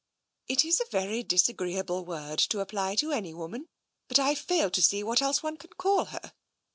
" It is a very disagreeable word to apply to any woman, but I fail to see what else one can call her.